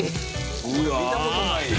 見たことないよ